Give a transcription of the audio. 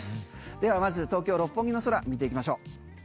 ではまず、東京・六本木の空見ていきましょう。